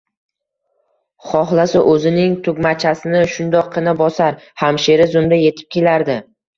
Xohlasa, oʻzining tugmachasini shundoqqina bosar, hamshira zumda yetib kelardi